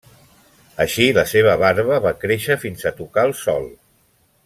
Així, la seva barba va créixer fins a tocar el sòl.